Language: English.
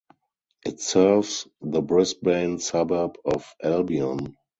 It serves the Brisbane suburb of Albion.